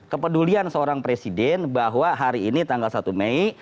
kepedulian seorang presiden bahwa hari ini tanggal satu mei